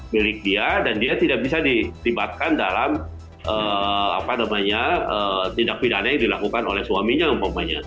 milik dia dan dia tidak bisa dilibatkan dalam tindak pidana yang dilakukan oleh suaminya umpamanya